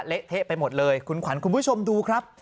เละเทะไปหมดเลยคุณขวัญคุณผู้ชมดูครับ